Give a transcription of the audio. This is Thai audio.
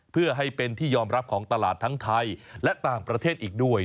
เพื่อให้เป็นที่ยอมรับของตลาดทั้งไทยและต่างประเทศอีกด้วย